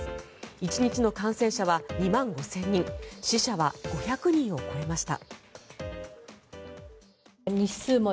１日の感染者は２万５０００人死者は５００人を超えました。